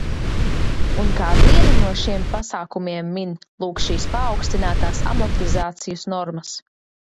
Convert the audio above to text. Un kā vienu no šiem pasākumiem min, lūk, šīs paaugstinātās amortizācijas normas.